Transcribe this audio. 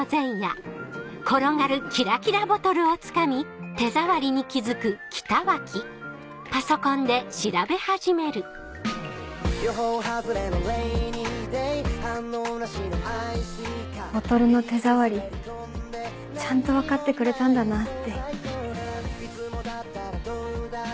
キュッボトルの手触りちゃんと分かってくれたんだなって。